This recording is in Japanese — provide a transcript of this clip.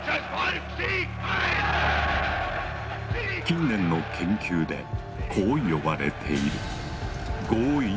近年の研究でこう呼ばれている。